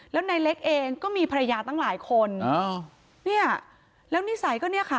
แล้วในเล็กเองก็มีภรรยาตั้งหลายคนอ่าเนี่ยแล้วนิสัยก็เนี่ยค่ะ